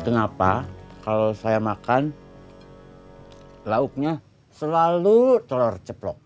kenapa kalau saya makan lauknya selalu telur ceplok